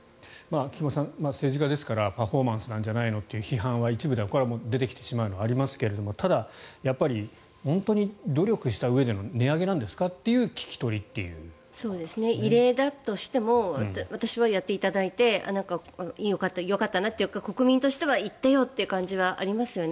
菊間さん政治家ですからパフォーマンスなんじゃないのという批判は、一部ではこれは出てきてしまうのはありますがただ、本当に努力したうえでの値上げなんですか？という異例だとしても私はやっていただいてよかったなというか国民としては言ってよという感じはありますよね。